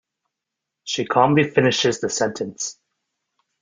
She calmly finishes the sentence.